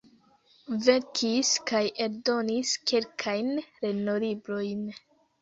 Verkis kaj eldonis kelkajn lernolibrojn.